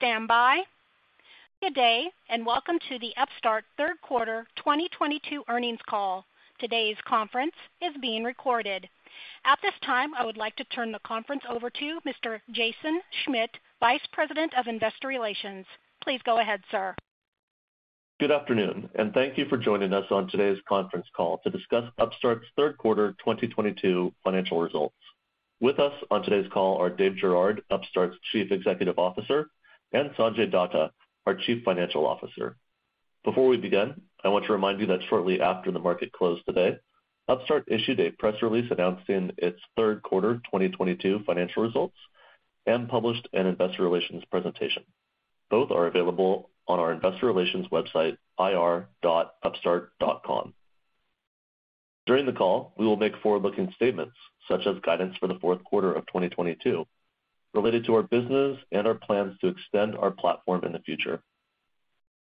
Please stand by. Good day, and welcome to the Upstart Third Quarter 2022 Earnings Call. Today's call is being recorded. At this time, I would like to turn the call over to Mr. Jason Schmidt, Vice President of Investor Relations. Please go ahead, sir. Good afternoon, and thank you for joining us on today's conference call to discuss Upstart's third quarter 2022 financial results. With us on today's call are Dave Girouard, Upstart's Chief Executive Officer, and Sanjay Datta, our Chief Financial Officer. Before we begin, I want to remind you that shortly after the market closed today, Upstart issued a press release announcing its third quarter 2022 financial results and published an investor relations presentation. Both are available on our investor relations website, ir.upstart.com. During the call, we will make forward-looking statements such as guidance for the fourth quarter of 2022 related to our business and our plans to extend our platform in the future.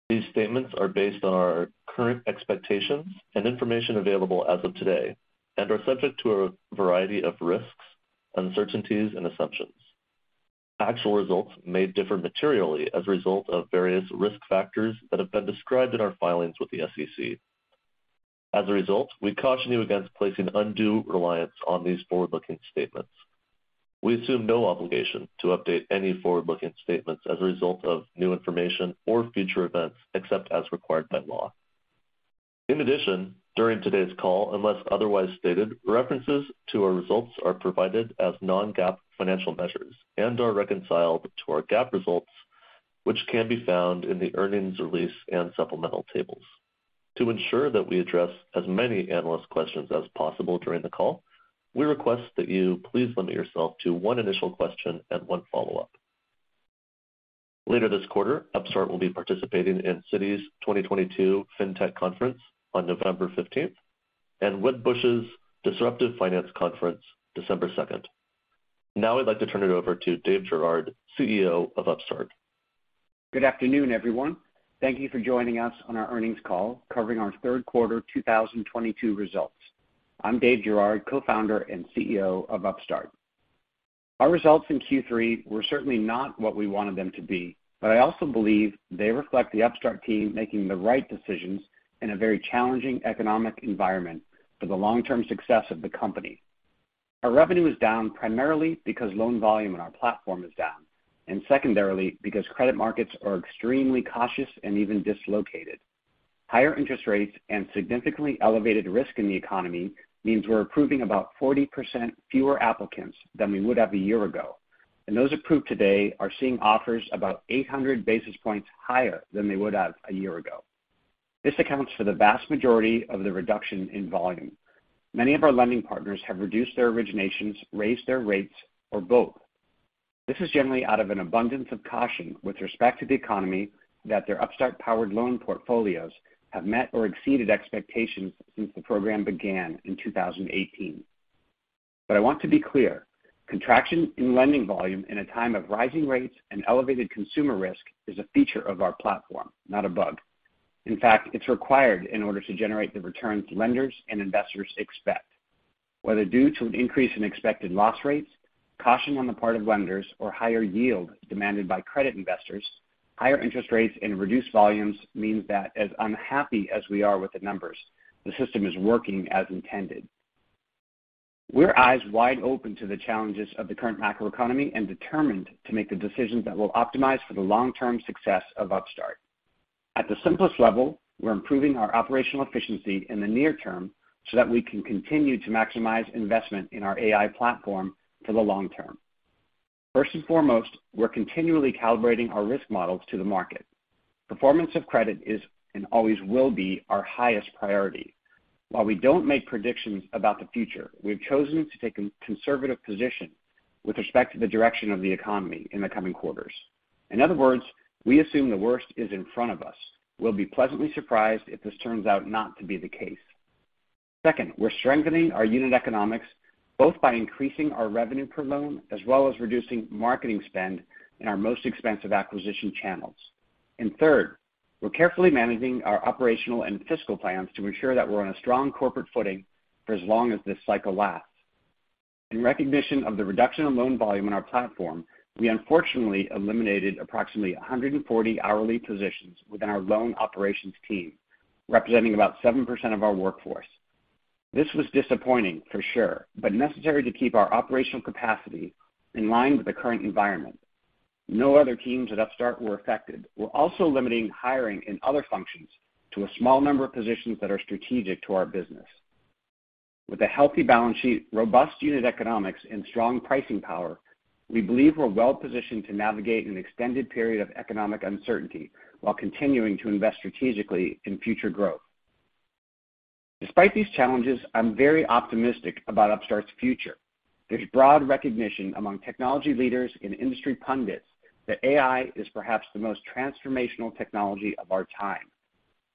These statements are based on our current expectations and information available as of today, and are subject to a variety of risks, uncertainties and assumptions. Actual results may differ materially as a result of various risk factors that have been described in our filings with the SEC. As a result, we caution you against placing undue reliance on these forward-looking statements. We assume no obligation to update any forward-looking statements as a result of new information or future events, except as required by law. In addition, during today's call, unless otherwise stated, references to our results are provided as non-GAAP financial measures and are reconciled to our GAAP results, which can be found in the earnings release and supplemental tables. To ensure that we address as many analyst questions as possible during the call, we request that you please limit yourself to one initial question and one follow-up. Later this quarter, Upstart will be participating in Citi's 2022 Fintech Conference on November fifteenth and Wedbush's Disruptive Finance Conference December second. Now I'd like to turn it over to Dave Girouard, CEO of Upstart. Good afternoon, everyone. Thank you for joining us on our earnings call covering our Q3 2022 results. I'm Dave Girouard, Co-founder and CEO of Upstart. Our results in Q3 were certainly not what we wanted them to be, but I also believe they reflect the Upstart team making the right decisions in a very challenging economic environment for the long-term success of the company. Our revenue is down primarily because loan volume on our platform is down, and secondarily because credit markets are extremely cautious and even dislocated. Higher interest rates and significantly elevated risk in the economy means we're approving about 40% fewer applicants than we would have a year ago. Those approved today are seeing offers about 800 basis points higher than they would have a year ago. This accounts for the vast majority of the reduction in volume. Many of our lending partners have reduced their originations, raised their rates, or both. This is generally out of an abundance of caution with respect to the economy. Their Upstart-powered loan portfolios have met or exceeded expectations since the program began in 2018. I want to be clear. Contraction in lending volume in a time of rising rates and elevated consumer risk is a feature of our platform, not a bug. In fact, it's required in order to generate the returns lenders and investors expect. Whether due to an increase in expected loss rates, caution on the part of lenders or higher yield demanded by credit investors, higher interest rates and reduced volumes means that as unhappy as we are with the numbers, the system is working as intended. We're eyes wide open to the challenges of the current macroeconomy and determined to make the decisions that will optimize for the long-term success of Upstart. At the simplest level, we're improving our operational efficiency in the near term so that we can continue to maximize investment in our AI platform for the long term. First and foremost, we're continually calibrating our risk models to the market. Performance of credit is and always will be our highest priority. While we don't make predictions about the future, we've chosen to take a conservative position with respect to the direction of the economy in the coming quarters. In other words, we assume the worst is in front of us. We'll be pleasantly surprised if this turns out not to be the case. Second, we're strengthening our unit economics, both by increasing our revenue per loan as well as reducing marketing spend in our most expensive acquisition channels. Third, we're carefully managing our operational and fiscal plans to ensure that we're on a strong corporate footing for as long as this cycle lasts. In recognition of the reduction of loan volume on our platform, we unfortunately eliminated approximately 140 hourly positions within our loan operations team, representing about 7% of our workforce. This was disappointing for sure, but necessary to keep our operational capacity in line with the current environment. No other teams at Upstart were affected. We're also limiting hiring in other functions to a small number of positions that are strategic to our business. With a healthy balance sheet, robust unit economics, and strong pricing power, we believe we're well-positioned to navigate an extended period of economic uncertainty while continuing to invest strategically in future growth. Despite these challenges, I'm very optimistic about Upstart's future. There's broad recognition among technology leaders and industry pundits that AI is perhaps the most transformational technology of our time,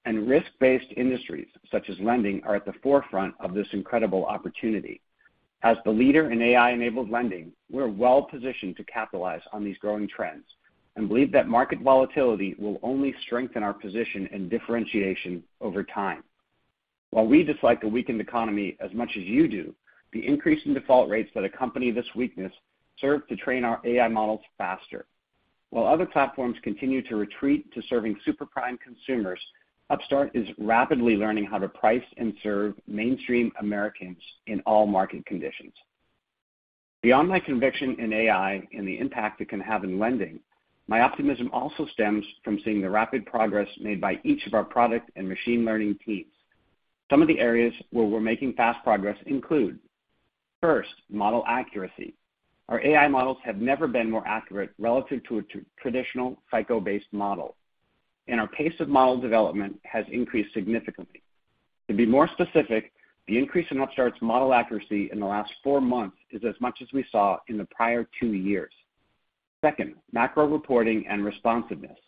and risk-based industries such as lending are at the forefront of this incredible opportunity. As the leader in AI-enabled lending, we're well-positioned to capitalize on these growing trends and believe that market volatility will only strengthen our position and differentiation over time. While we dislike the weakened economy as much as you do, the increase in default rates that accompany this weakness serve to train our AI models faster. While other platforms continue to retreat to serving super prime consumers, Upstart is rapidly learning how to price and serve mainstream Americans in all market conditions. Beyond my conviction in AI and the impact it can have in lending, my optimism also stems from seeing the rapid progress made by each of our product and machine learning teams. Some of the areas where we're making fast progress include, first, model accuracy. Our AI models have never been more accurate relative to a traditional FICO-based model, and our pace of model development has increased significantly. To be more specific, the increase in Upstart's model accuracy in the last four months is as much as we saw in the prior two years. Second, macro reporting and responsiveness.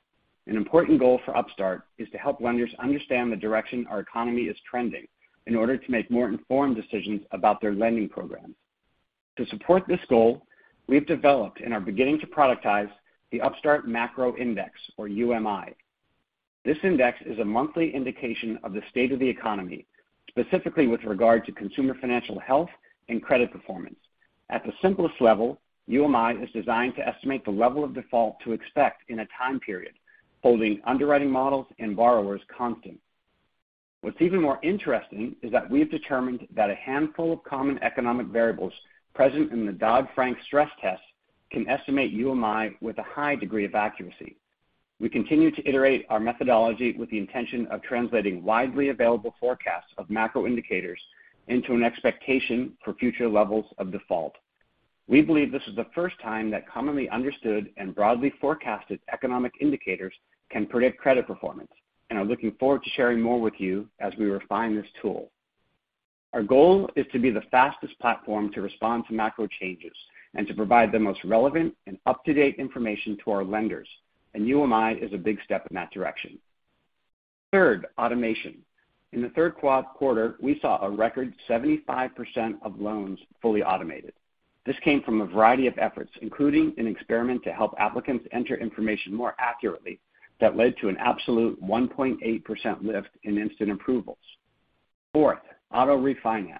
An important goal for Upstart is to help lenders understand the direction our economy is trending in order to make more informed decisions about their lending programs. To support this goal, we've developed and are beginning to productize the Upstart Macro Index, or UMI. This index is a monthly indication of the state of the economy, specifically with regard to consumer financial health and credit performance. At the simplest level, UMI is designed to estimate the level of default to expect in a time period, holding underwriting models and borrowers constant. What's even more interesting is that we have determined that a handful of common economic variables present in the Dodd-Frank stress test can estimate UMI with a high degree of accuracy. We continue to iterate our methodology with the intention of translating widely available forecasts of macro indicators into an expectation for future levels of default. We believe this is the first time that commonly understood and broadly forecasted economic indicators can predict credit performance and are looking forward to sharing more with you as we refine this tool. Our goal is to be the fastest platform to respond to macro changes and to provide the most relevant and up-to-date information to our lenders, and UMI is a big step in that direction. Third, automation. In the third quarter, we saw a record 75% of loans fully automated. This came from a variety of efforts, including an experiment to help applicants enter information more accurately that led to an absolute 1.8% lift in instant approvals. Fourth, auto refinance.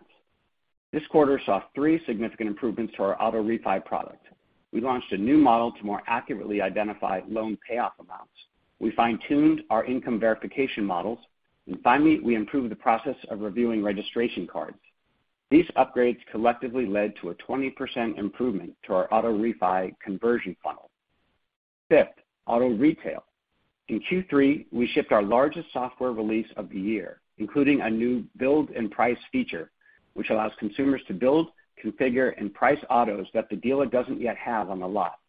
This quarter saw three significant improvements to our auto refi product. We launched a new model to more accurately identify loan payoff amounts. We fine-tuned our income verification models, and finally, we improved the process of reviewing registration cards. These upgrades collectively led to a 20% improvement to our auto refi conversion funnel. Fifth, auto retail. In Q3, we shipped our largest software release of the year, including a new build and price feature, which allows consumers to build, configure, and price autos that the dealer doesn't yet have on the lot.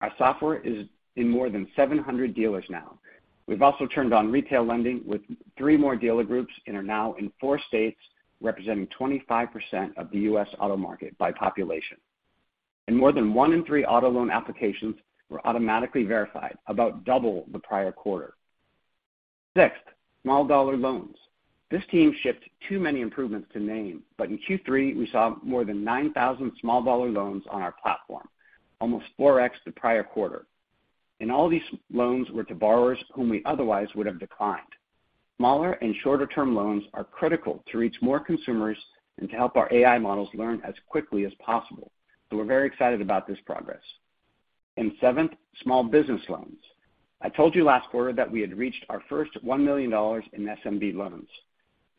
Our software is in more than 700 dealers now. We've also turned on retail lending with three more dealer groups and are now in four states, representing 25% of the U.S. auto market by population. More than 1/3 auto loan applications were automatically verified, about double the prior quarter. Sixth, small dollar loans. This team shipped too many improvements to name, but in Q3, we saw more than 9,000 small dollar loans on our platform, almost 4x the prior quarter. All these loans were to borrowers whom we otherwise would have declined. Smaller and shorter-term loans are critical to reach more consumers and to help our AI models learn as quickly as possible, so we're very excited about this progress. Seventh, small business loans. I told you last quarter that we had reached our first $1 million in SMB loans.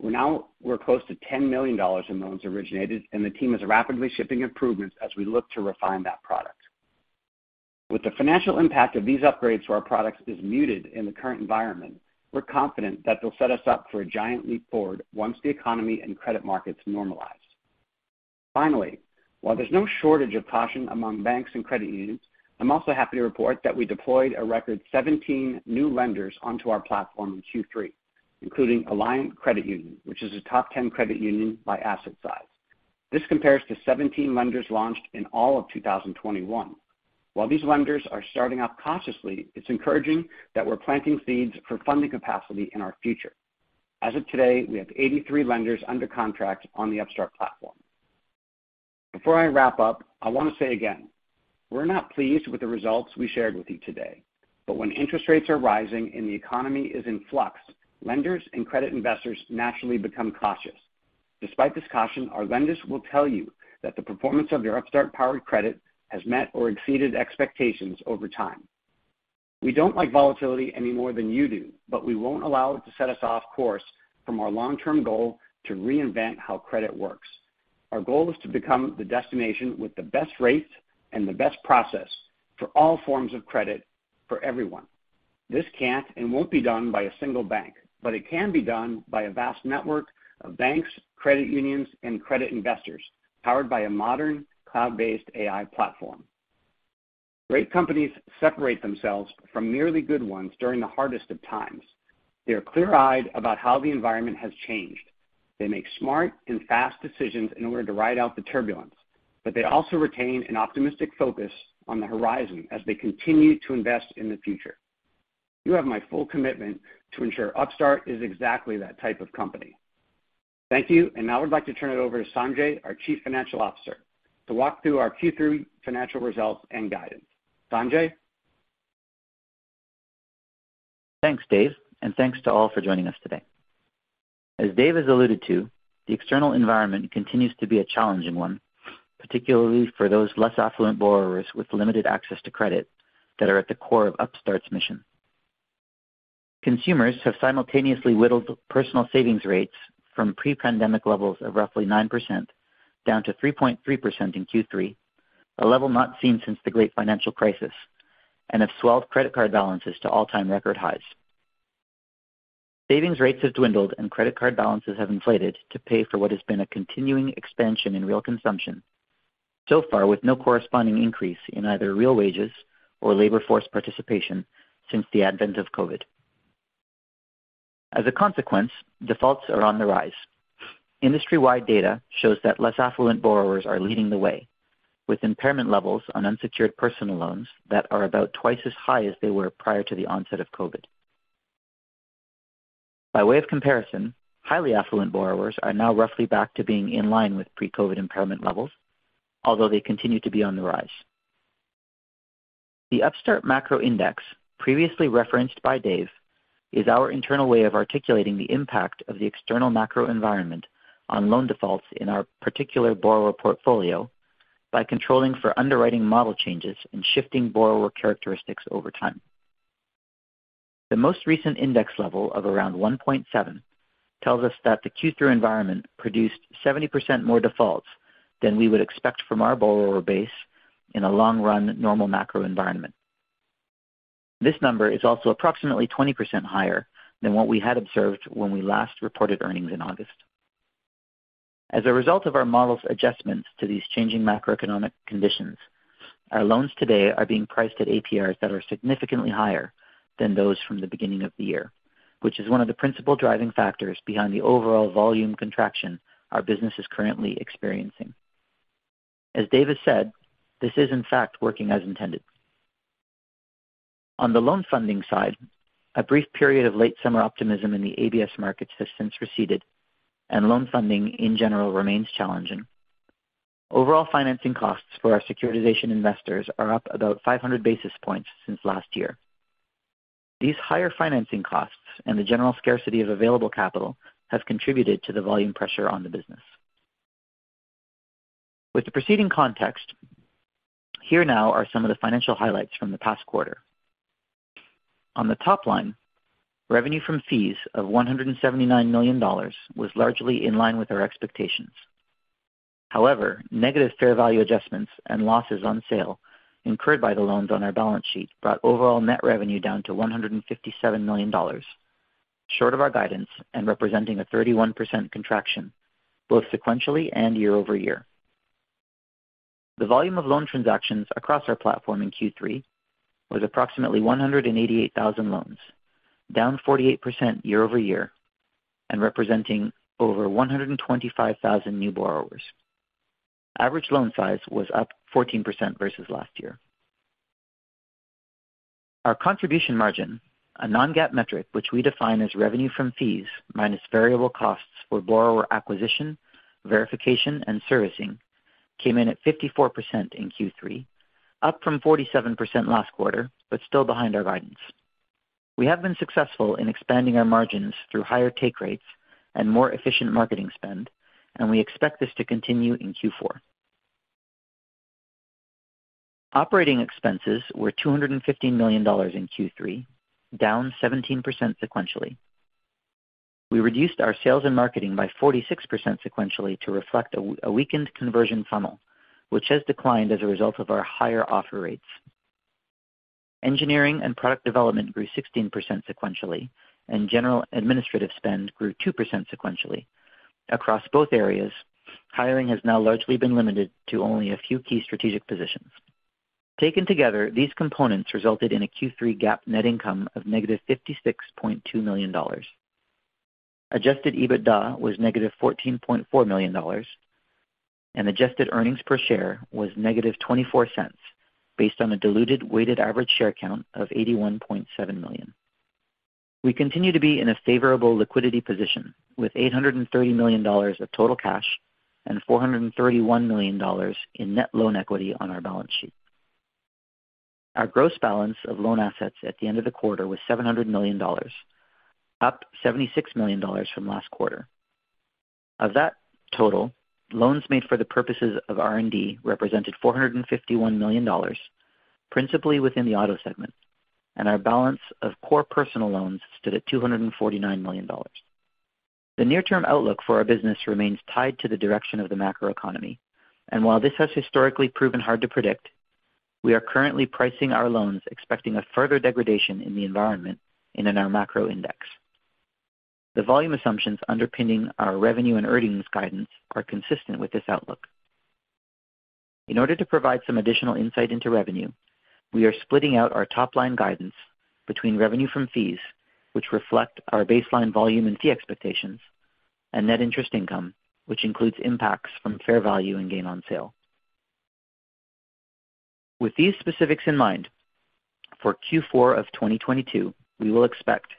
We're now close to $10 million in loans originated, and the team is rapidly shipping improvements as we look to refine that product. With the financial impact of these upgrades to our products is muted in the current environment, we're confident that they'll set us up for a giant leap forward once the economy and credit markets normalize. Finally, while there's no shortage of caution among banks and credit unions, I'm also happy to report that we deployed a record 17 new lenders onto our platform in Q3, including Alliant Credit Union, which is a top 10 credit union by asset size. This compares to 17 lenders launched in all of 2021. While these lenders are starting off cautiously, it's encouraging that we're planting seeds for funding capacity in our future. As of today, we have 83 lenders under contract on the Upstart platform. Before I wrap up, I want to say again, we're not pleased with the results we shared with you today. When interest rates are rising and the economy is in flux, lenders and credit investors naturally become cautious. Despite this caution, our lenders will tell you that the performance of their Upstart-powered credit has met or exceeded expectations over time. We don't like volatility any more than you do, but we won't allow it to set us off course from our long-term goal to reinvent how credit works. Our goal is to become the destination with the best rates and the best process for all forms of credit for everyone. This can't and won't be done by a single bank, but it can be done by a vast network of banks, credit unions, and credit investors powered by a modern cloud-based AI platform. Great companies separate themselves from merely good ones during the hardest of times. They are clear-eyed about how the environment has changed. They make smart and fast decisions in order to ride out the turbulence, but they also retain an optimistic focus on the horizon as they continue to invest in the future. You have my full commitment to ensure Upstart is exactly that type of company. Thank you. Now I'd like to turn it over to Sanjay, our Chief Financial Officer, to walk through our Q3 financial results and guidance. Sanjay? Thanks, Dave, and thanks to all for joining us today. As Dave has alluded to, the external environment continues to be a challenging one, particularly for those less affluent borrowers with limited access to credit that are at the core of Upstart's mission. Consumers have simultaneously whittled personal savings rates from pre-pandemic levels of roughly 9% down to 3.3% in Q3, a level not seen since the Great Financial Crisis, and have swelled credit card balances to all-time record highs. Savings rates have dwindled, and credit card balances have inflated to pay for what has been a continuing expansion in real consumption, so far with no corresponding increase in either real wages or labor force participation since the advent of Covid. As a consequence, defaults are on the rise. Industry-wide data shows that less affluent borrowers are leading the way, with impairment levels on unsecured personal loans that are about twice as high as they were prior to the onset of Covid. By way of comparison, highly affluent borrowers are now roughly back to being in line with pre-Covid impairment levels, although they continue to be on the rise. The Upstart Macro Index, previously referenced by Dave, is our internal way of articulating the impact of the external macro environment on loan defaults in our particular borrower portfolio by controlling for underwriting model changes and shifting borrower characteristics over time. The most recent index level of around 1.7 tells us that the Q3 environment produced 70% more defaults than we would expect from our borrower base in a long run normal macro environment. This number is also approximately 20% higher than what we had observed when we last reported earnings in August. As a result of our model's adjustments to these changing macroeconomic conditions, our loans today are being priced at APRs that are significantly higher than those from the beginning of the year, which is one of the principal driving factors behind the overall volume contraction our business is currently experiencing. As Dave has said, this is in fact working as intended. On the loan funding side, a brief period of late summer optimism in the ABS market has since receded, and loan funding in general remains challenging. Overall financing costs for our securitization investors are up about 500 basis points since last year. These higher financing costs and the general scarcity of available capital have contributed to the volume pressure on the business. With the preceding context, here now are some of the financial highlights from the past quarter. On the top line, revenue from fees of $179 million was largely in line with our expectations. However, negative fair value adjustments and losses on sale incurred by the loans on our balance sheet brought overall net revenue down to $157 million, short of our guidance and representing a 31% contraction, both sequentially and year-over-year. The volume of loan transactions across our platform in Q3 was approximately 188,000 loans, down 48% year-over-year and representing over 125,000 new borrowers. Average loan size was up 14% versus last year. Our contribution margin, a non-GAAP metric which we define as revenue from fees minus variable costs for borrower acquisition, verification, and servicing, came in at 54% in Q3, up from 47% last quarter, but still behind our guidance. We have been successful in expanding our margins through higher take rates and more efficient marketing spend, and we expect this to continue in Q4. Operating expenses were $250 million in Q3, down 17% sequentially. We reduced our sales and marketing by 46% sequentially to reflect a weakened conversion funnel, which has declined as a result of our higher offer rates. Engineering and product development grew 16% sequentially, and general administrative spend grew 2% sequentially. Across both areas, hiring has now largely been limited to only a few key strategic positions. Taken together, these components resulted in a Q3 GAAP net income of negative $56.2 million. Adjusted EBITDA was negative $14.4 million, and adjusted earnings per share was negative $0.24 based on a diluted weighted average share count of 81.7 million. We continue to be in a favorable liquidity position with $830 million of total cash and $431 million in net loan equity on our balance sheet. Our gross balance of loan assets at the end of the quarter was $700 million, up $76 million from last quarter. Of that total, loans made for the purposes of R&D represented $451 million, principally within the auto segment, and our balance of core personal loans stood at $249 million. The near-term outlook for our business remains tied to the direction of the macroeconomy. While this has historically proven hard to predict, we are currently pricing our loans expecting a further degradation in the environment and in our macro index. The volume assumptions underpinning our revenue and earnings guidance are consistent with this outlook. In order to provide some additional insight into revenue, we are splitting out our top-line guidance between revenue from fees, which reflect our baseline volume and fee expectations, and net interest income, which includes impacts from fair value and gain on sale. With these specifics in mind, for Q4 of 2022, we will expect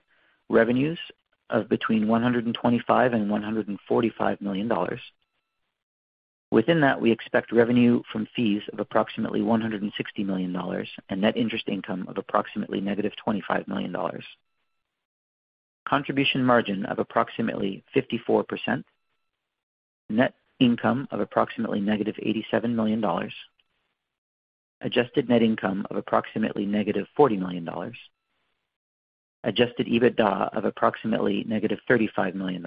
revenues of between $125 million and $145 million. Within that, we expect revenue from fees of approximately $160 million and net interest income of approximately negative $25 million. Contribution margin of approximately 54%. Net income of approximately -$87 million. Adjusted net income of approximately -$40 million. Adjusted EBITDA of approximately -$35 million,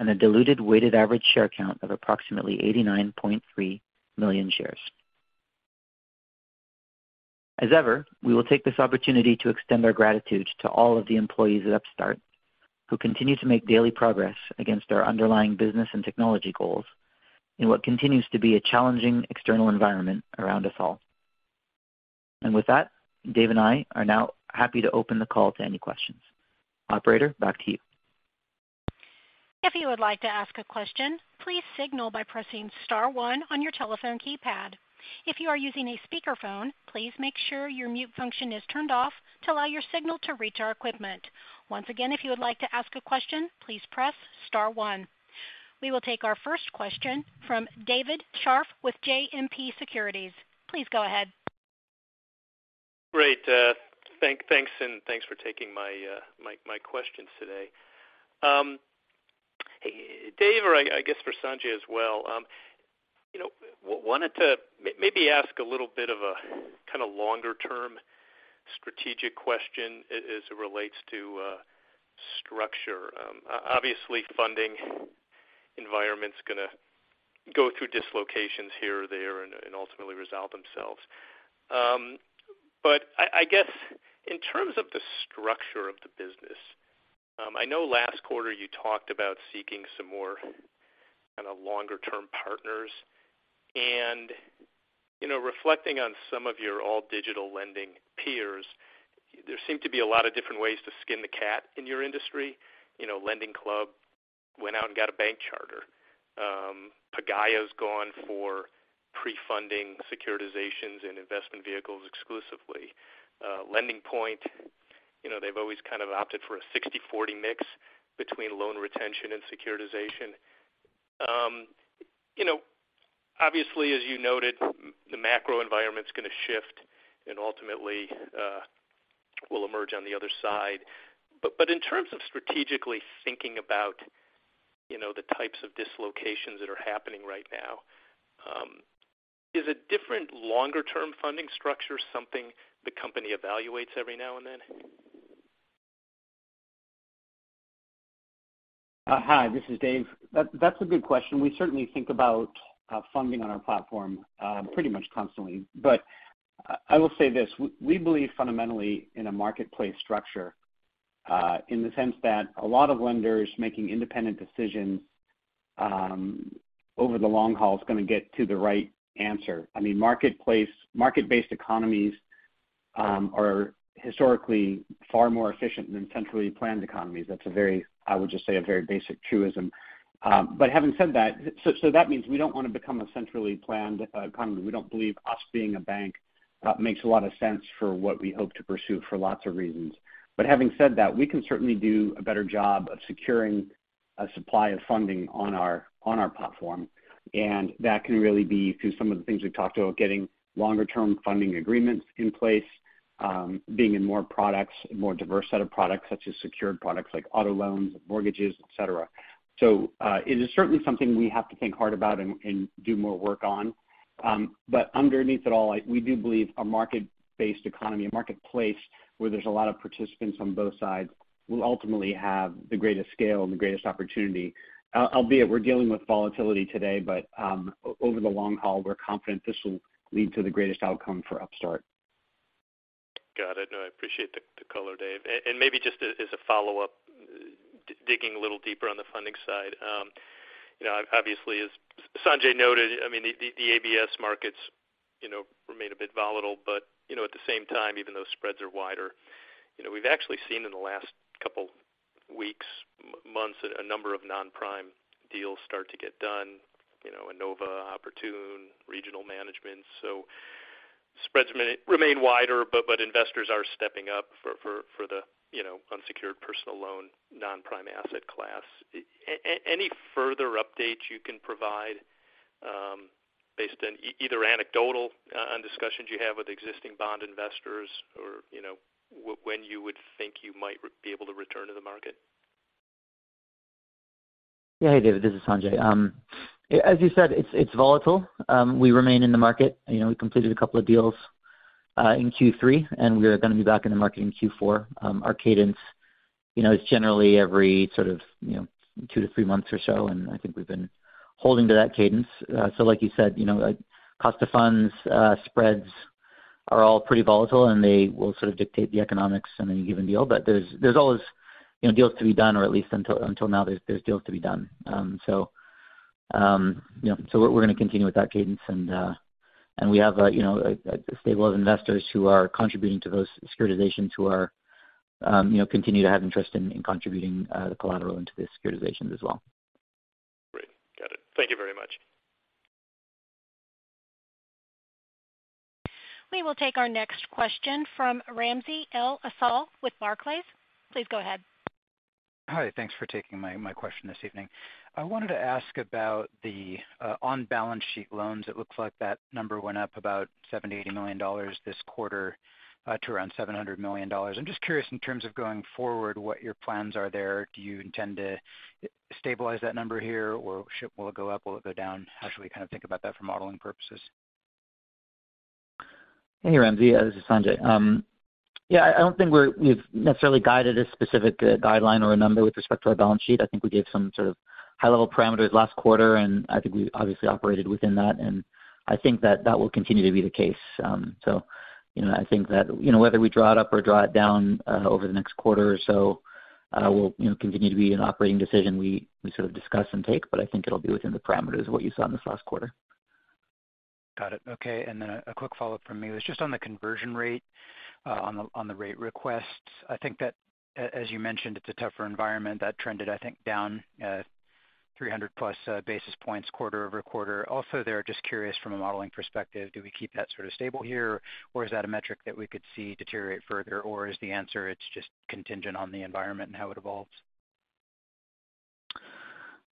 and a diluted weighted average share count of approximately 89.3 million shares. As ever, we will take this opportunity to extend our gratitude to all of the employees at Upstart who continue to make daily progress against our underlying business and technology goals in what continues to be a challenging external environment around us all. With that, Dave and I are now happy to open the call to any questions. Operator, back to you. If you would like to ask a question, please signal by pressing star one on your telephone keypad. If you are using a speakerphone, please make sure your mute function is turned off to allow your signal to reach our equipment. Once again, if you would like to ask a question, please press star one. We will take our first question from David Scharf with JMP Securities. Please go ahead. Great. Thanks and thanks for taking my question today. Dave, or I guess for Sanjay as well, you know, wanted to maybe ask a little bit of a kinda longer term strategic question as it relates to structure. Obviously funding environment's gonna go through dislocations here or there and ultimately resolve themselves. But I guess in terms of the structure of the business, I know last quarter you talked about seeking some more kinda longer term partners. You know, reflecting on some of your all digital lending peers, there seem to be a lot of different ways to skin the cat in your industry. You know, LendingClub went out and got a bank charter. Pagaya's gone for pre-funding securitizations and investment vehicles exclusively. LendingPoint, you know, they've always kind of opted for a 60/40 mix between loan retention and securitization. You know, obviously as you noted, the macro environment's gonna shift and ultimately will emerge on the other side. But in terms of strategically thinking about, you know, the types of dislocations that are happening right now, is a different longer term funding structure something the company evaluates every now and then? Hi, this is Dave. That's a good question. We certainly think about funding on our platform pretty much constantly. I will say this, we believe fundamentally in a marketplace structure in the sense that a lot of lenders making independent decisions over the long haul is gonna get to the right answer. I mean, market-based economies are historically far more efficient than centrally planned economies. That's a very, I would just say, a very basic truism. Having said that means we don't wanna become a centrally planned economy. We don't believe us being a bank makes a lot of sense for what we hope to pursue for lots of reasons. Having said that, we can certainly do a better job of securing a supply of funding on our platform, and that can really be through some of the things we've talked about, getting longer term funding agreements in place, being in more products, more diverse set of products such as secured products like auto loans, mortgages, et cetera. It is certainly something we have to think hard about and do more work on. Underneath it all, we do believe in a market-based economy, a marketplace where there's a lot of participants on both sides will ultimately have the greatest scale and the greatest opportunity. Albeit we're dealing with volatility today, over the long haul, we're confident this will lead to the greatest outcome for Upstart. Got it. No, I appreciate the color, Dave. Maybe just as a follow-up, digging a little deeper on the funding side. You know, obviously as Sanjay noted, I mean, the ABS markets remain a bit volatile, but you know, at the same time, even though spreads are wider, you know, we've actually seen in the last couple weeks, months, a number of non-prime deals start to get done, you know, Enova, Oportun, Regional Management. So spreads remain wider, but investors are stepping up for the, you know, unsecured personal loan, non-prime asset class. Any further updates you can provide, based on either anecdotal and discussions you have with existing bond investors or, you know, when you would think you might be able to return to the market? Yeah. Hey, David, this is Sanjay. As you said, it's volatile. We remain in the market. You know, we completed a couple of deals in Q3, and we're gonna be back in the market in Q4. Our cadence, you know, is generally every sort of, you know, two to three months or so, and I think we've been holding to that cadence. Like you said, you know, like, cost of funds, spreads are all pretty volatile, and they will sort of dictate the economics in any given deal. There's always, you know, deals to be done or at least until now there's deals to be done. You know, we're gonna continue with that cadence. We have, you know, a stable of investors who are contributing to those securitizations who are, you know, continue to have interest in contributing the collateral into the securitizations as well. Great. Got it. Thank you very much. We will take our next question from Ramsey El-Assal with Barclays. Please go ahead. Hi. Thanks for taking my question this evening. I wanted to ask about the on-balance sheet loans. It looks like that number went up about $70 million-$80 million this quarter to around $700 million. I'm just curious, in terms of going forward, what your plans are there. Do you intend to stabilize that number here or will it go up? Will it go down? How should we kind of think about that for modeling purposes? Hey, Ramsey. This is Sanjay. I don't think we've necessarily guided a specific guideline or a number with respect to our balance sheet. I think we gave some sort of high-level parameters last quarter, and I think we obviously operated within that. I think that will continue to be the case. So, you know, I think that, you know, whether we draw it up or draw it down over the next quarter or so will continue to be an operating decision we sort of discuss and take, but I think it'll be within the parameters of what you saw in this last quarter. Got it. Okay. A quick follow-up from me was just on the conversion rate on the rate requests. I think that as you mentioned, it's a tougher environment that trended, I think, down 300+ basis points quarter-over-quarter. Also, there, just curious from a modeling perspective, do we keep that sort of stable here, or is that a metric that we could see deteriorate further? Or is the answer, it's just contingent on the environment and how it evolves?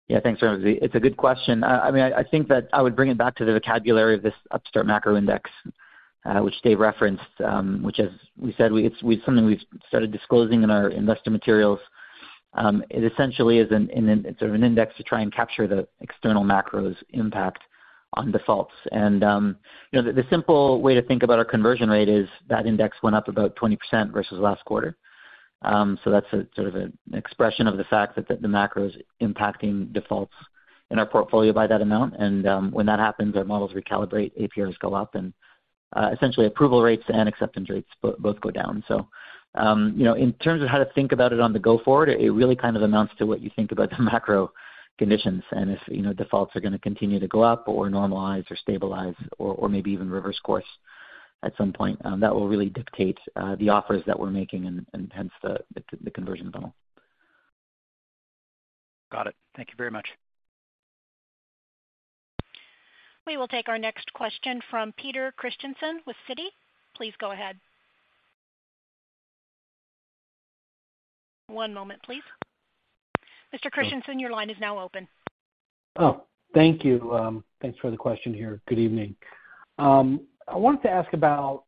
Yeah. Thanks, Ramsey. It's a good question. I mean, I think that I would bring it back to the vocabulary of this Upstart Macro Index, which Dave referenced, which as we said, it's something we've started disclosing in our investor materials. It essentially is a sort of an index to try and capture the external macro's impact on defaults. The simple way to think about our conversion rate is that index went up about 20% versus last quarter. That's a sort of an expression of the fact that the macro is impacting defaults in our portfolio by that amount. When that happens, our models recalibrate, APRs go up, and essentially approval rates and acceptance rates both go down. You know, in terms of how to think about it going forward, it really kind of amounts to what you think about the macro conditions and if, you know, defaults are gonna continue to go up or normalize or stabilize or maybe even reverse course at some point. That will really dictate the offers that we're making and hence the conversion funnel. Got it. Thank you very much. We will take our next question from Peter Christiansen with Citi. Please go ahead. One moment, please. Mr. Christiansen, your line is now open. Oh, thank you. Thanks for the question here. Good evening. I wanted to ask about,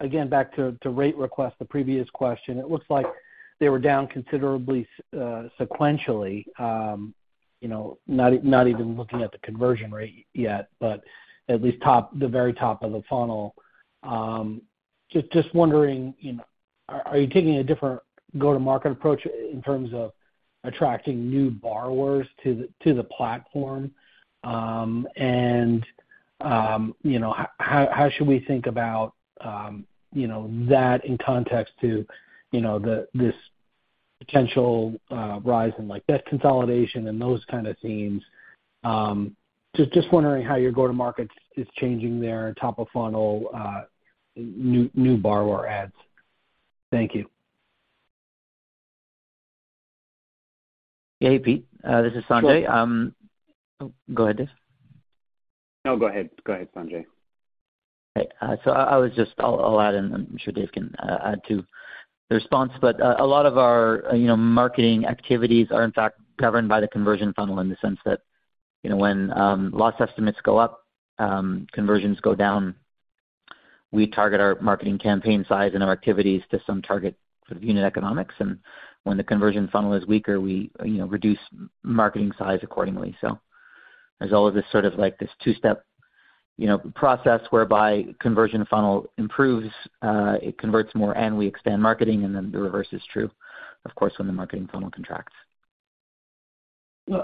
again, back to rate requests, the previous question. It looks like they were down considerably sequentially, you know, not even looking at the conversion rate yet, but at least top, the very top of the funnel. Just wondering, you know, are you taking a different go-to-market approach in terms of attracting new borrowers to the platform? And you know, how should we think about that in context to this potential rise in, like, debt consolidation and those kind of themes? Just wondering how your go-to-market is changing there, top of funnel, new borrower adds. Thank you. Hey, Pete. This is Sanjay. So- Go ahead, Dave. No, go ahead. Go ahead, Sanjay. I'll add, and I'm sure Dave can add to the response. A lot of our, you know, marketing activities are in fact governed by the conversion funnel in the sense that, you know, when loss estimates go up, conversions go down. We target our marketing campaign size and our activities to some target sort of unit economics. When the conversion funnel is weaker, we, you know, reduce marketing size accordingly. There's all of this sort of like this two-step, you know, process whereby conversion funnel improves, it converts more and we expand marketing, and then the reverse is true, of course, when the marketing funnel contracts.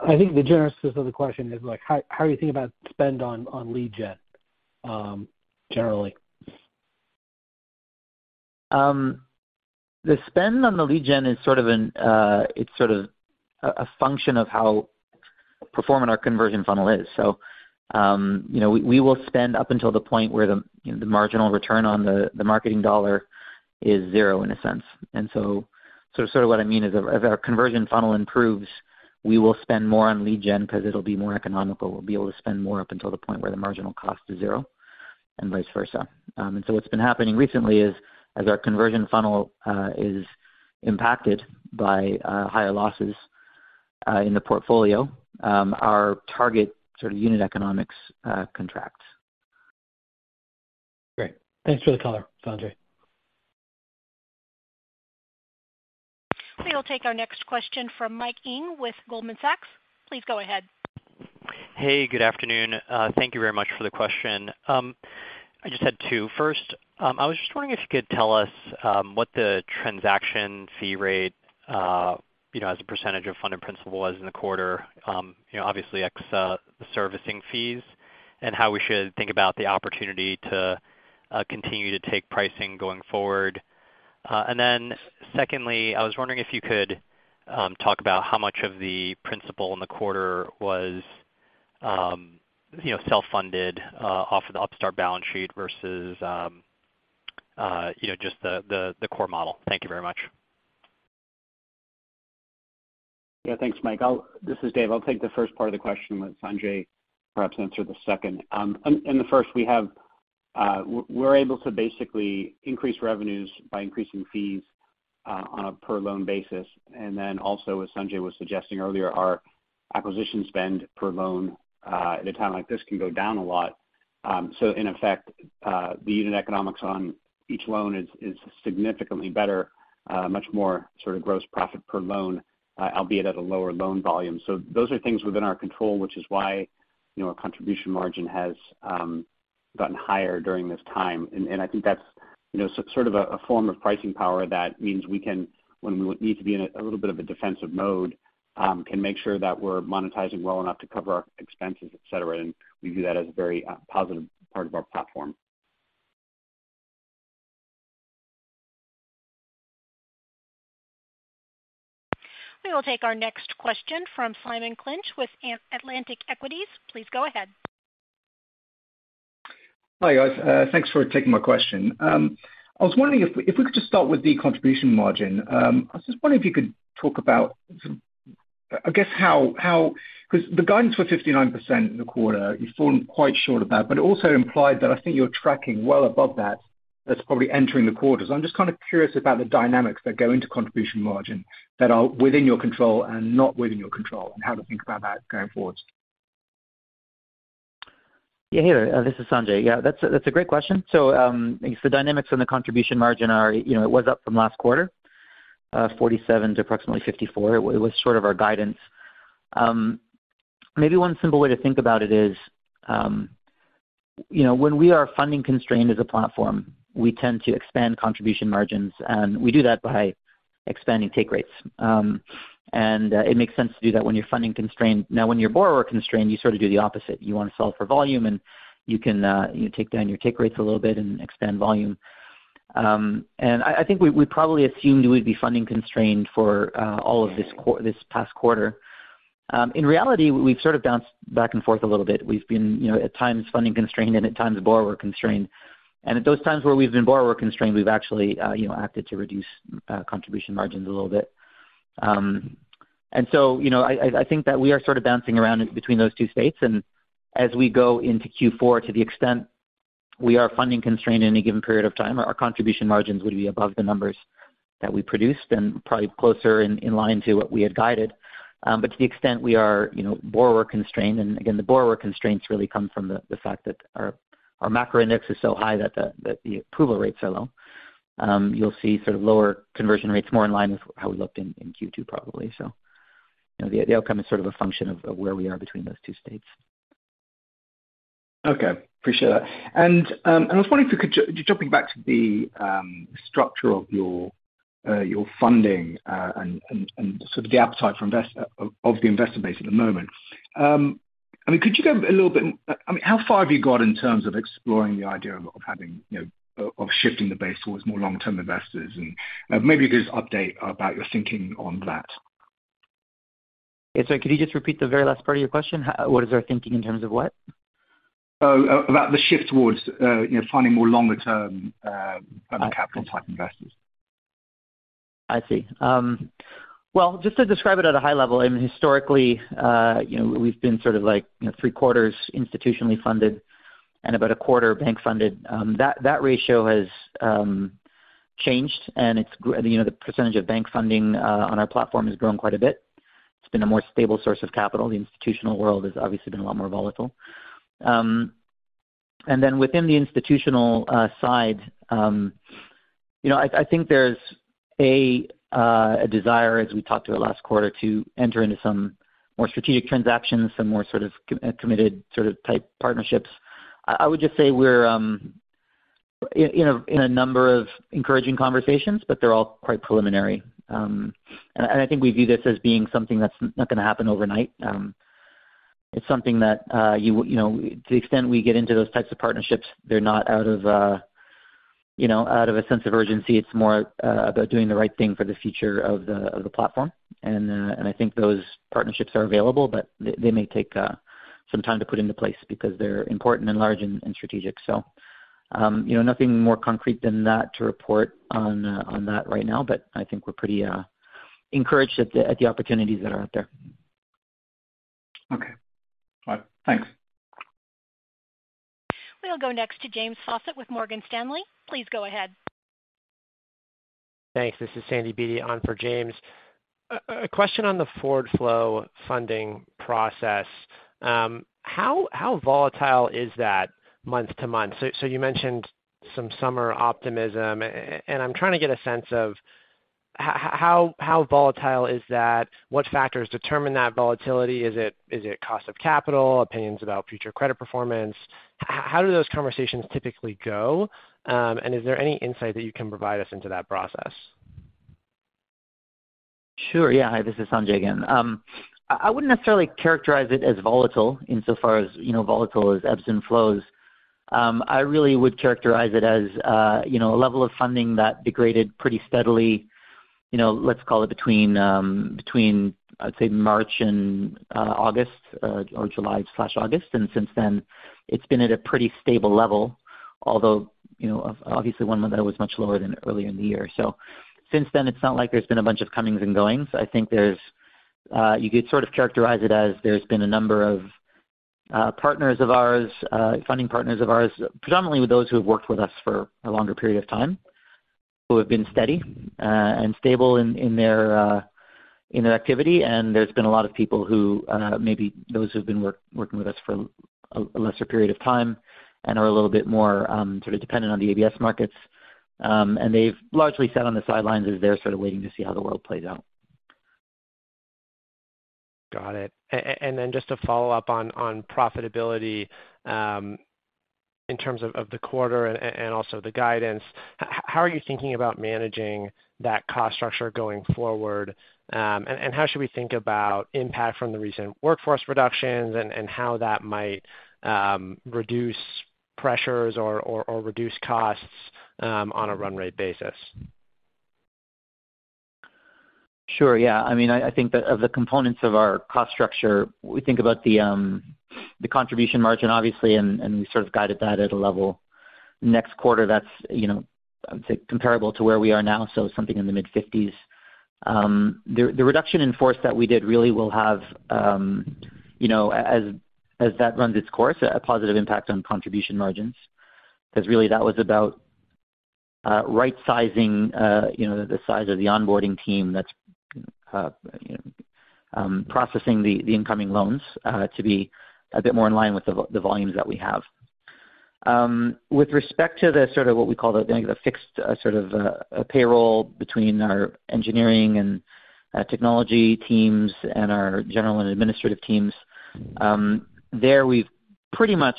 I think the genesis of the question is like, how are you thinking about spend on lead gen, generally? The spend on the lead gen is sort of a function of how performing our conversion funnel is. You know, we will spend up until the point where you know, the marginal return on the marketing dollar is zero in a sense. Sort of what I mean is if our conversion funnel improves, we will spend more on lead gen because it'll be more economical. We'll be able to spend more up until the point where the marginal cost is zero and vice versa. What's been happening recently is as our conversion funnel is impacted by higher losses in the portfolio, our target sort of unit economics contracts. Great. Thanks for the color, Sanjay. We will take our next question from Mike Ng with Goldman Sachs. Please go ahead. Hey, good afternoon. Thank you very much for the question. I just had two. First, I was just wondering if you could tell us what the transaction fee rate, you know, as a percentage of funded principal was in the quarter, you know, obviously ex the servicing fees, and how we should think about the opportunity to continue to take pricing going forward. Then secondly, I was wondering if you could talk about how much of the principal in the quarter was, you know, self-funded off of the Upstart balance sheet versus, you know, just the core model. Thank you very much. Yeah, thanks, Mike. This is Dave. I'll take the first part of the question, let Sanjay perhaps answer the second. In the first, we're able to basically increase revenues by increasing fees on a per loan basis. As Sanjay was suggesting earlier, our acquisition spend per loan at a time like this can go down a lot. In effect, the unit economics on each loan is significantly better, much more sort of gross profit per loan, albeit at a lower loan volume. Those are things within our control, which is why, you know, our contribution margin has gotten higher during this time. I think that's, you know, sort of a form of pricing power that means we can, when we would need to be in a little bit of a defensive mode, can make sure that we're monetizing well enough to cover our expenses, et cetera. We view that as a very positive part of our platform. We will take our next question from Simon Clinch with Atlantic Equities. Please go ahead. Hi, guys. Thanks for taking my question. I was wondering if we could just start with the contribution margin. I was just wondering if you could talk about how 'cause the guidance was 59% in the quarter. You've fallen quite short of that, but it also implied that I think you're tracking well above that's probably entering the quarter. I'm just kinda curious about the dynamics that go into contribution margin that are within your control and not within your control and how to think about that going forward. Yeah. Hey there. This is Sanjay. Yeah, that's a great question. So, I guess the dynamics on the contribution margin are, you know, it was up from last quarter, 47% to approximately 54%. It was sort of our guidance. Maybe one simple way to think about it is, you know, when we are funding constrained as a platform, we tend to expand contribution margins, and we do that by expanding take rates. It makes sense to do that when you're funding constrained. Now when you're borrower constrained, you sort of do the opposite. You wanna solve for volume and you can, you take down your take rates a little bit and expand volume. I think we probably assumed we'd be funding constrained for all of this past quarter. In reality, we've sort of bounced back and forth a little bit. We've been, you know, at times funding constrained and at times borrower constrained. At those times where we've been borrower constrained, we've actually, you know, acted to reduce contribution margins a little bit. I think that we are sort of bouncing around between those two states. As we go into Q4, to the extent we are funding constrained in any given period of time, our contribution margins would be above the numbers that we produced and probably closer in line to what we had guided. To the extent we are, you know, borrower constrained, and again, the borrower constraints really come from the fact that our macro index is so high that the approval rates are low. You'll see sort of lower conversion rates more in line with how we looked in Q2 probably. You know, the outcome is sort of a function of where we are between those two states. Okay. Appreciate that. I was wondering if you could jumping back to the structure of your funding and sort of the appetite of the investor base at the moment. I mean, could you go a little bit. I mean, how far have you got in terms of exploring the idea of, you know, shifting the base towards more long-term investors? Maybe just update about your thinking on that. Yeah. Sorry, could you just repeat the very last part of your question? What is our thinking in terms of what? about the shift towards, you know, finding more longer term, capital type investors. I see. Well, just to describe it at a high level, I mean, historically, you know, we've been sort of like, you know, three quarters institutionally funded and about a quarter bank funded. That ratio has changed and you know, the percentage of bank funding on our platform has grown quite a bit. It's been a more stable source of capital. The institutional world has obviously been a lot more volatile. Then within the institutional side, you know, I think there's a desire, as we talked about it last quarter, to enter into some more strategic transactions, some more sort of committed sort of type partnerships. I would just say we're in a number of encouraging conversations, but they're all quite preliminary. I think we view this as being something that's not gonna happen overnight. It's something that you know, to the extent we get into those types of partnerships, they're not out of a sense of urgency. It's more about doing the right thing for the future of the platform. I think those partnerships are available, but they may take some time to put into place because they're important and large and strategic. You know, nothing more concrete than that to report on that right now. I think we're pretty encouraged at the opportunities that are out there. Okay. All right. Thanks. We'll go next to James Faucette with Morgan Stanley. Please go ahead. Thanks. This is Sandy Beatty on for James. A question on the forward flow funding process. How volatile is that month to month? You mentioned some summer optimism. I'm trying to get a sense of how volatile is that? What factors determine that volatility? Is it cost of capital, opinions about future credit performance? How do those conversations typically go? Is there any insight that you can provide us into that process? Sure. Yeah. Hi, this is Sanjay again. I wouldn't necessarily characterize it as volatile insofar as, you know, volatile as ebbs and flows. I really would characterize it as a level of funding that degraded pretty steadily, you know, let's call it between, I'd say March and August, or July/August. Since then it's been at a pretty stable level. Although, you know, obviously one month that was much lower than earlier in the year. Since then, it's not like there's been a bunch of comings and goings. I think you could sort of characterize it as there's been a number of partners of ours, funding partners of ours, predominantly with those who have worked with us for a longer period of time, who have been steady and stable in their activity. There's been a lot of people who maybe those who've been working with us for a lesser period of time and are a little bit more sort of dependent on the ABS markets. They've largely sat on the sidelines as they're sort of waiting to see how the world plays out. Got it. Then just to follow up on profitability in terms of the quarter and also the guidance, how are you thinking about managing that cost structure going forward? How should we think about impact from the recent workforce reductions and how that might reduce pressures or reduce costs on a run rate basis? Sure. Yeah. I mean, I think of the components of our cost structure, we think about the contribution margin, obviously, and we sort of guided that at a level next quarter that's, you know, I would say comparable to where we are now, so something in the mid-50s. The reduction in force that we did really will have, you know, as that runs its course, a positive impact on contribution margins. Because really that was about right sizing, you know, the size of the onboarding team that's processing the incoming loans to be a bit more in line with the volumes that we have. With respect to what we call the fixed sort of payroll between our engineering and technology teams and our general and administrative teams, there we've pretty much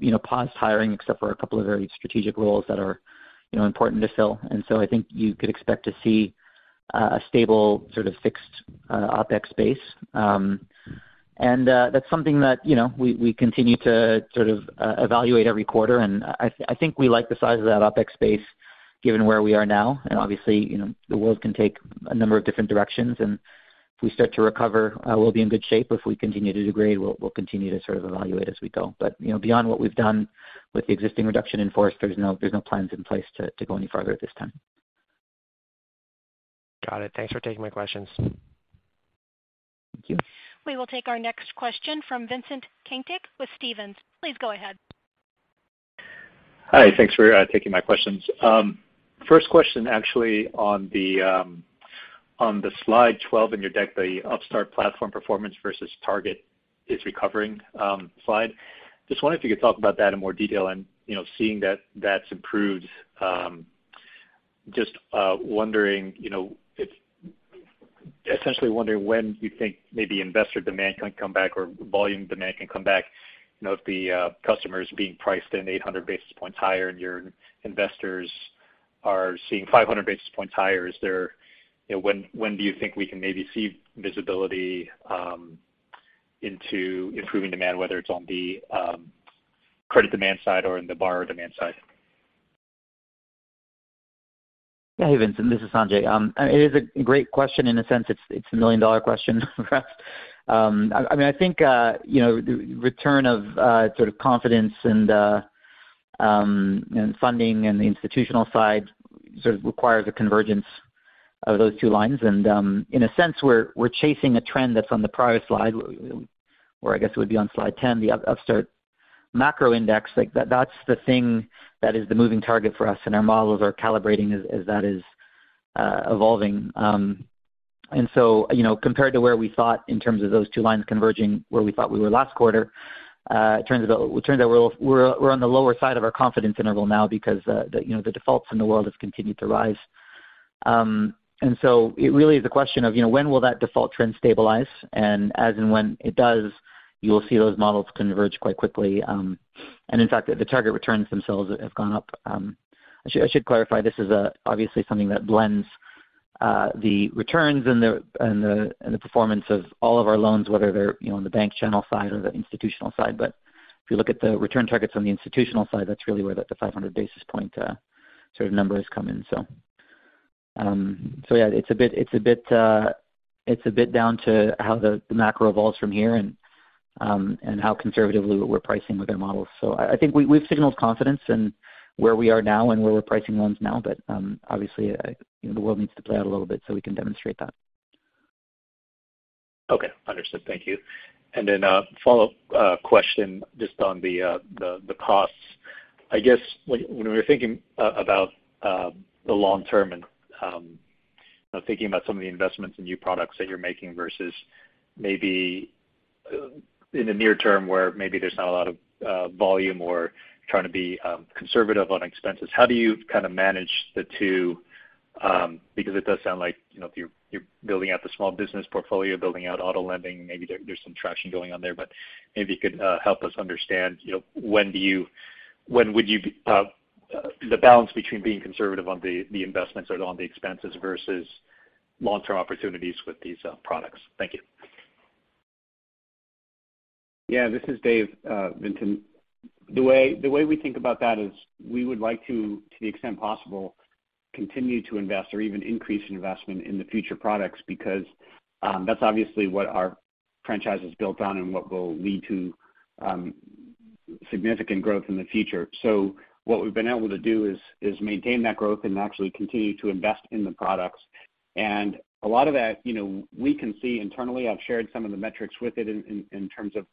you know paused hiring except for a couple of very strategic roles that are you know important to fill. I think you could expect to see a stable sort of fixed OpEx base. That's something that you know we continue to sort of evaluate every quarter. I think we like the size of that OpEx base given where we are now. Obviously, you know, the world can take a number of different directions, and if we start to recover, we'll be in good shape. If we continue to degrade, we'll continue to sort of evaluate as we go. You know, beyond what we've done with the existing reduction in force, there's no plans in place to go any further at this time. Got it. Thanks for taking my questions. Thank you. We will take our next question from Vincent Caintic with Stephens. Please go ahead. Hi. Thanks for taking my questions. First question actually on the slide 12 in your deck, the Upstart platform performance versus target is recovering slide. Just wondering if you could talk about that in more detail and, you know, seeing that that's improved, just wondering, you know, essentially when you think maybe investor demand can come back or volume demand can come back. You know, if the customer is being priced in 800 basis points higher and your investors are seeing 500 basis points higher, is there, you know, when do you think we can maybe see visibility into improving demand, whether it's on the credit demand side or in the borrower demand side? Yeah. Hey, Vincent, this is Sanjay. It is a great question. In a sense, it's a million-dollar question for us. I mean, I think, you know, return of sort of confidence and funding and the institutional side sort of requires a convergence of those two lines. In a sense, we're chasing a trend that's on the prior slide, or I guess it would be on slide 10, the Upstart Macro Index. Like, that's the thing that is the moving target for us, and our models are calibrating as that is evolving. You know, compared to where we thought in terms of those two lines converging where we thought we were last quarter, it turns out we're on the lower side of our confidence interval now because you know, the defaults in the world have continued to rise. It really is a question of, you know, when will that default trend stabilize? As and when it does, you'll see those models converge quite quickly. In fact, the target returns themselves have gone up. I should clarify, this is obviously something that blends the returns and the performance of all of our loans, whether they're, you know, on the bank channel side or the institutional side. If you look at the return targets on the institutional side, that's really where the 500 basis points sort of number has come in. Yeah. It's a bit down to how the macro evolves from here and how conservatively we're pricing with our models. I think we've signaled confidence in where we are now and where we're pricing loans now. Obviously, you know, the world needs to play out a little bit, so we can demonstrate that. Okay. Understood. Thank you. A follow-up question just on the costs. I guess when we're thinking about the long term and thinking about some of the investments in new products that you're making versus maybe in the near term, where maybe there's not a lot of volume or trying to be conservative on expenses, how do you kind of manage the two? Because it does sound like, you know, if you're building out the small business portfolio, building out auto lending, maybe there's some traction going on there. But maybe you could help us understand, you know, when would you be the balance between being conservative on the investments or on the expenses versus long-term opportunities with these products. Thank you. Yeah. This is Dave Girouard. The way we think about that is we would like, to the extent possible. Continue to invest or even increase investment in the future products because that's obviously what our franchise is built on and what will lead to significant growth in the future. What we've been able to do is maintain that growth and actually continue to invest in the products. A lot of that, you know, we can see internally. I've shared some of the metrics with you in terms of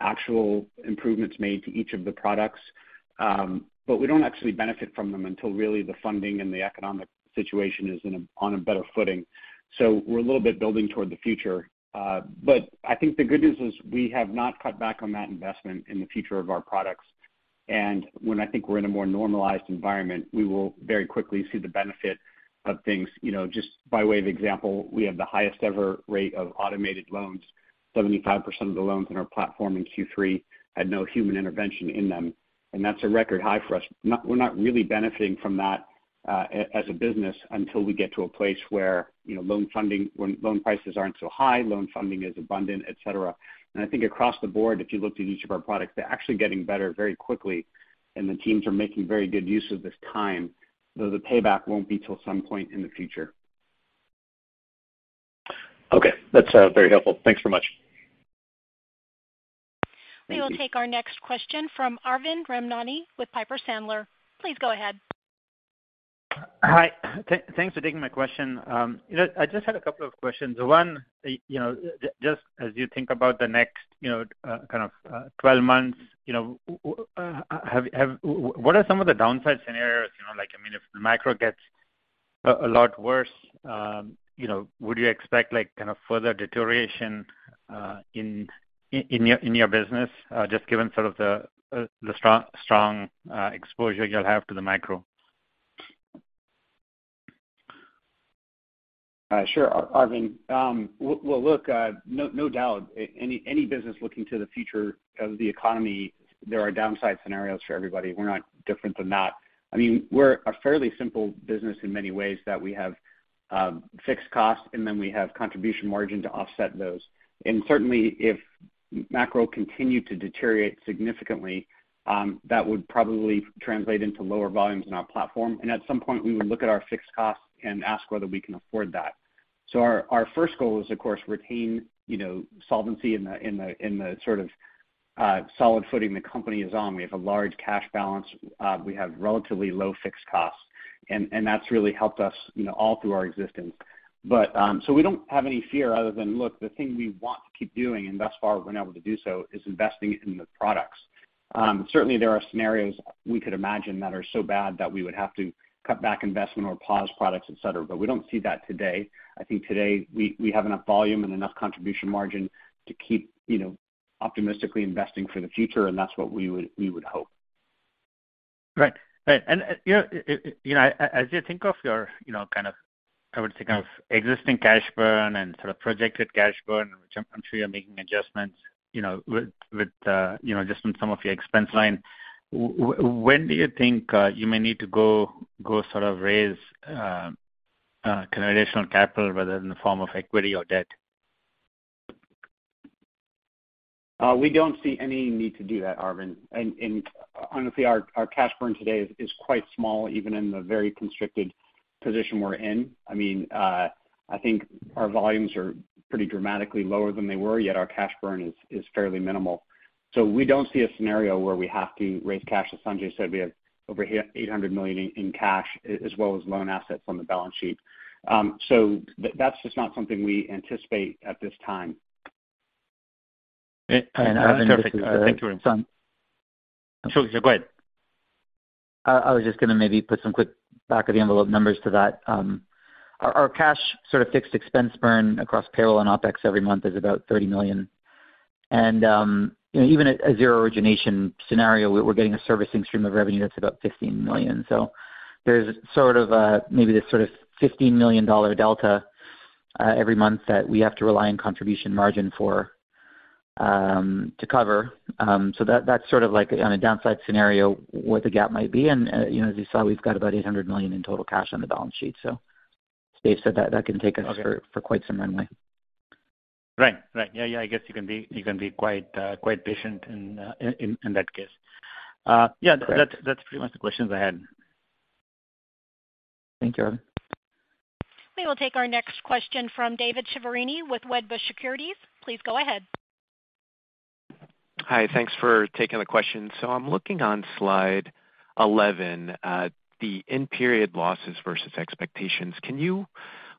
actual improvements made to each of the products. We don't actually benefit from them until really the funding and the economic situation is on a better footing. We're a little bit building toward the future. I think the good news is we have not cut back on that investment in the future of our products. When I think we're in a more normalized environment, we will very quickly see the benefit of things. You know, just by way of example, we have the highest ever rate of automated loans. 75% of the loans in our platform in Q3 had no human intervention in them, and that's a record high for us. We're not really benefiting from that, as a business until we get to a place where, you know, loan funding when loan prices aren't so high, loan funding is abundant, et cetera. I think across the board, if you looked at each of our products, they're actually getting better very quickly, and the teams are making very good use of this time, though the payback won't be till some point in the future. Okay. That's very helpful. Thanks so much. We will take our next question from Arvind Ramnani with Piper Sandler. Please go ahead. Hi. Thanks for taking my question. You know, I just had a couple of questions. One, you know, just as you think about the next, you know, kind of, 12 months, you know, what are some of the downside scenarios? You know, like, I mean, if the macro gets a lot worse, you know, would you expect like kind of further deterioration in your business just given sort of the strong exposure you'll have to the macro? Sure, Arvind. Well, look, no doubt any business looking to the future of the economy, there are downside scenarios for everybody. We're not different than that. I mean, we're a fairly simple business in many ways that we have fixed costs, and then we have contribution margin to offset those. Certainly if macro continued to deteriorate significantly, that would probably translate into lower volumes in our platform. At some point, we would look at our fixed costs and ask whether we can afford that. Our first goal is, of course, retain you know solvency in the sort of solid footing the company is on. We have a large cash balance. We have relatively low fixed costs. And that's really helped us, you know, all through our existence. We don't have any fear other than look, the thing we want to keep doing, and thus far we've been able to do so, is investing in the products. Certainly there are scenarios we could imagine that are so bad that we would have to cut back investment or pause products, et cetera. We don't see that today. I think today we have enough volume and enough contribution margin to keep, you know, optimistically investing for the future, and that's what we would hope. Right. As you think of your, you know, kind of, I would think of existing cash burn and sort of projected cash burn, which I'm sure you're making adjustments, you know, with just on some of your expense line. When do you think you may need to go sort of raise kind of additional capital, whether in the form of equity or debt? We don't see any need to do that, Arvind. Honestly, our cash burn today is quite small, even in the very constricted position we're in. I mean, I think our volumes are pretty dramatically lower than they were, yet our cash burn is fairly minimal. We don't see a scenario where we have to raise cash. As Sanjay said, we have over $800 million in cash as well as loan assets on the balance sheet. That's just not something we anticipate at this time. And, and- Arvind, this is. Thank you. San- Sure. Go ahead. I was just gonna maybe put some quick back of the envelope numbers to that. Our cash sort of fixed expense burn across payroll and OpEx every month is about $30 million. You know, even a zero origination scenario, we're getting a servicing stream of revenue that's about $15 million. There's sort of maybe this sort of $15 million dollar delta every month that we have to rely on contribution margin for to cover. That's sort of like on a downside scenario, what the gap might be. You know, as you saw, we've got about $800 million in total cash on the balance sheet. As we said that can take us for- Okay. For quite some runway. Right. Yeah. I guess you can be quite patient in that case. Yeah. Correct. That's pretty much the questions I had. Thank you. We will take our next question from David Chiaverini with Wedbush Securities. Please go ahead. Hi. Thanks for taking the question. I'm looking on slide 11 at the in-period losses versus expectations. Can you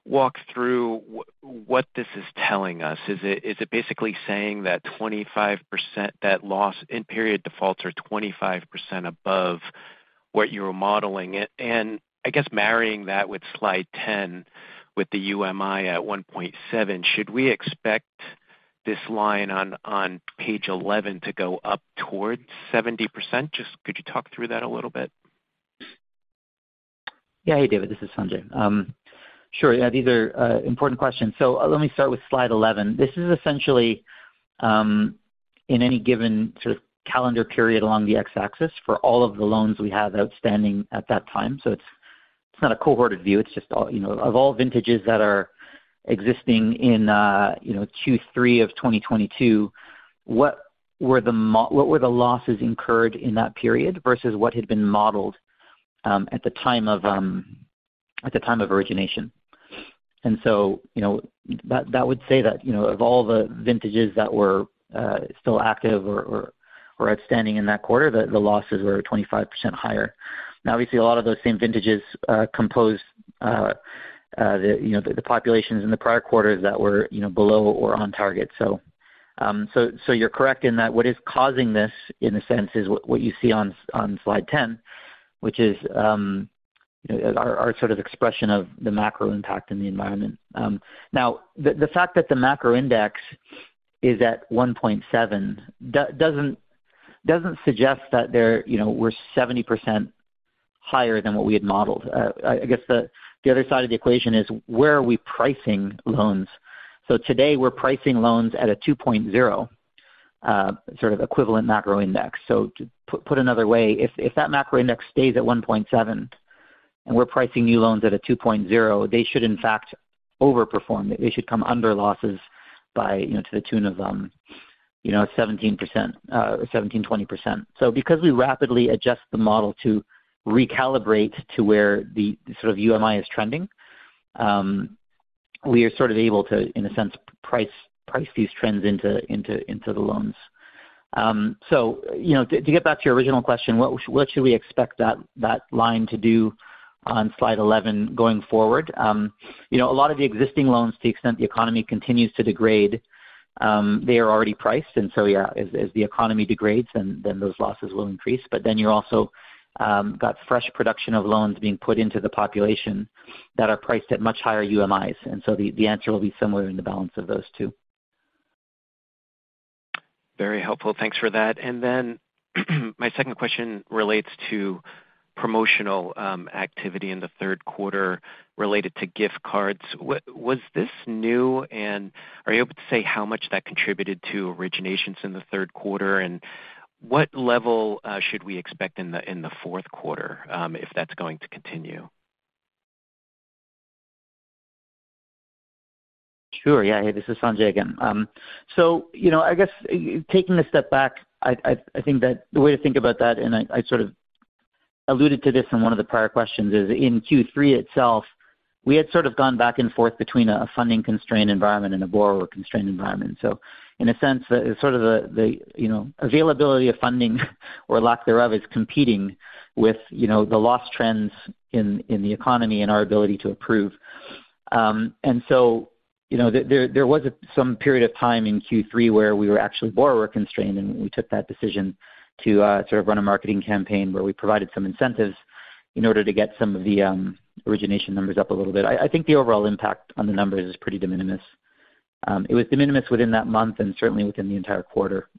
walk through what this is telling us? Is it basically saying that 25%, that loss in-period defaults are 25% above what you were modeling it? I guess marrying that with slide 10 with the UMI at 1.7, should we expect this line on page 11 to go up towards 70%? Just could you talk through that a little bit? Yeah. Hey, David, this is Sanjay. Sure. Yeah, these are important questions. Let me start with slide 11. This is essentially in any given sort of calendar period along the X-axis for all of the loans we have outstanding at that time. It's not a cohort view. It's just all, you know, of all vintages that are existing in, you know, Q3 of 2022, what were the losses incurred in that period versus what had been modeled at the time of origination. You know, that would say that, you know, of all the vintages that were still active or outstanding in that quarter, the losses were 25% higher. Now obviously, a lot of those same vintages composed the populations in the prior quarters that were, you know, below or on target. You're correct in that what is causing this in a sense is what you see on slide 10, which is our sort of expression of the macro impact in the environment. Now the fact that the macro index is at 1.7 doesn't suggest that they're, you know, we're 70% higher than what we had modeled. I guess the other side of the equation is where are we pricing loans? Today we're pricing loans at a 2.0 sort of equivalent macro index. To put another way, if that macro index stays at 1.7, and we're pricing new loans at a 2.0, they should in fact overperform. They should come under losses by, you know, to the tune of, you know, 17%. Seventeen, 20%. Because we rapidly adjust the model to recalibrate to where the sort of UMI is trending, we are sort of able to, in a sense, price these trends into the loans. You know, to get back to your original question, what should we expect that line to do on slide 11 going forward? You know, a lot of the existing loans, to the extent the economy continues to degrade, they are already priced. Yeah, as the economy degrades, then those losses will increase. You're also got fresh production of loans being put into the population that are priced at much higher UMIs. The answer will be somewhere in the balance of those two. Very helpful. Thanks for that. My second question relates to promotional activity in the third quarter related to gift cards. Was this new, and are you able to say how much that contributed to originations in the third quarter? What level should we expect in the fourth quarter if that's going to continue? Sure. Yeah. Hey, this is Sanjay again. You know, I guess taking a step back, I think that the way to think about that, and I sort of alluded to this in one of the prior questions, is in Q3 itself, we had sort of gone back and forth between a funding constrained environment and a borrower constrained environment. In a sense, the availability of funding or lack thereof is competing with, you know, the loss trends in the economy and our ability to approve. You know, there was some period of time in Q3 where we were actually borrower constrained, and we took that decision to sort of run a marketing campaign where we provided some incentives in order to get some of the origination numbers up a little bit. I think the overall impact on the numbers is pretty de minimis. It was de minimis within that month and certainly within the entire quarter.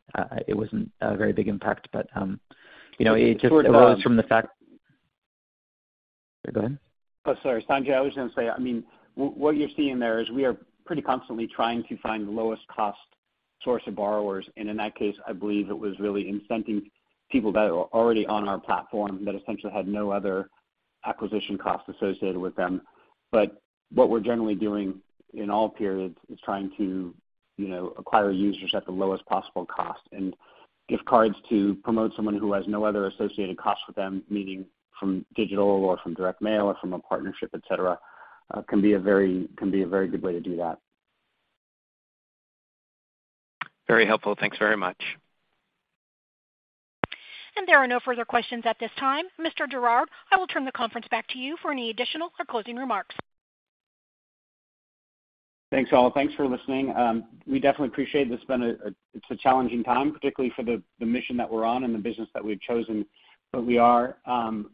It wasn't a very big impact, but you know, it just arose from the fact. Go ahead. Oh, sorry, Sanjay. I was gonna say, I mean, what you're seeing there is we are pretty constantly trying to find the lowest cost source of borrowers, and in that case, I believe it was really incenting people that are already on our platform that essentially had no other acquisition costs associated with them. What we're generally doing in all periods is trying to, you know, acquire users at the lowest possible cost and gift cards to promote someone who has no other associated cost with them, meaning from digital or from direct mail or from a partnership, et cetera, can be a very good way to do that. Very helpful. Thanks very much. There are no further questions at this time. Mr. Girouard, I will turn the conference back to you for any additional or closing remarks. Thanks, all. Thanks for listening. We definitely appreciate this. It's been a challenging time, particularly for the mission that we're on and the business that we've chosen. We are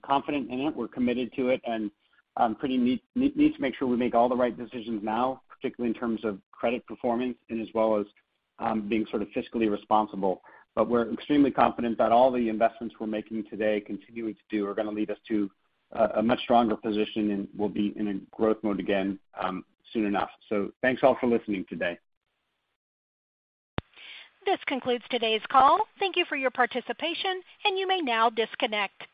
confident in it. We're committed to it, and we need to make sure we make all the right decisions now, particularly in terms of credit performance as well as being sort of fiscally responsible. We're extremely confident that all the investments we're making today continuing to do are gonna lead us to a much stronger position, and we'll be in a growth mode again soon enough. Thanks all for listening today. This concludes today's call. Thank you for your participation, and you may now disconnect.